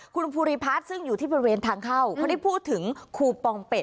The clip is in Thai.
คุณภูริพัฒน์ซึ่งอยู่ที่บริเวณทางเข้าเขาได้พูดถึงคูปองเป็ด